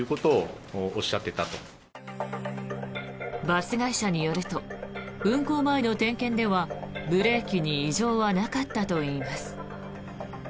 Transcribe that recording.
バス会社によると運行前の点検ではブレーキに異常はなかったといいます。